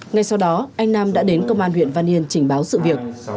ngay sau đó anh nam đã đến công an huyện văn yên trình báo sự việc